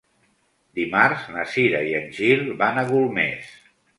Dimarts na Cira i en Gil van a Golmés.